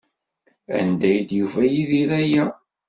Anda ay d-yufa Yidir aya?